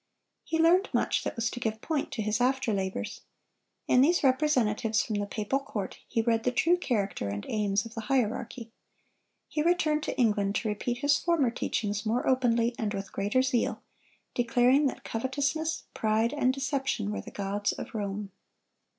He learned much that was to give point to his after labors. In these representatives from the papal court he read the true character and aims of the hierarchy. He returned to England to repeat his former teachings more openly and with greater zeal, declaring that covetousness, pride, and deception were the gods of Rome.